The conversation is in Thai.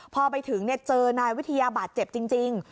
พอไปถึงเจอนายวิทยาบาดเจ็บจริง